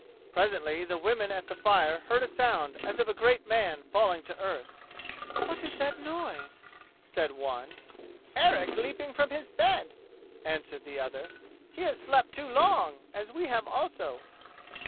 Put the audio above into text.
Presently the women at the fire heard a sound as of a great man falling to earth. "What is that noise?" said one. "Eric leaping from his bed," answered the other. "He has slept too long, as we have also."